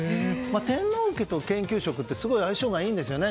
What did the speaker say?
天皇家と研究職はすごい相性がいいんですよね。